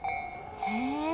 へえ。